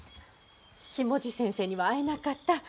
下地先生には会えなかった。